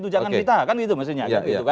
jangan kita kan gitu mestinya